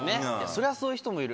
そりゃそういう人もいる。